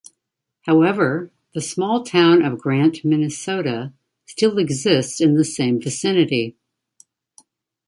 However, the small town of Grant, Minnesota, still exists in the same vicinity.